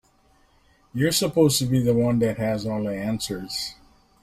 You're supposed to be the one that has all the answers.